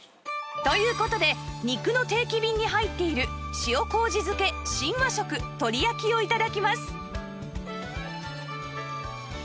という事で肉の定期便に入っている塩こうじ漬新和食鶏焼を頂きます